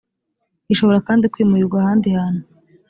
gishobora kandi kwimurirwa ahandi hantu.